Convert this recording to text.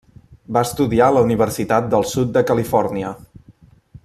Va estudiar a la Universitat del Sud de Califòrnia.